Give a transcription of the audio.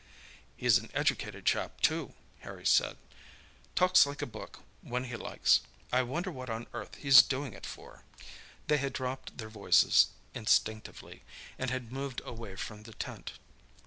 "He's an educated chap, too," Harry said—"talks like a book when he likes. I wonder what on earth he's doing it for?" They had dropped their voices instinctively, and had moved away from the tent.